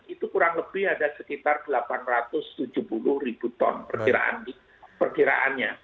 itu kurang lebih ada sekitar delapan ratus tujuh puluh ribu ton perkiraannya